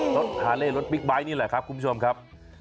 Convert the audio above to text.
ฮาเล่รถบิ๊กไบท์นี่แหละครับคุณผู้ชมครับ